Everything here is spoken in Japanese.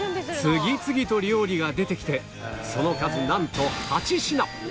次々と料理が出てきてその数なんと８品